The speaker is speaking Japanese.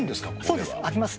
そうです、開きます。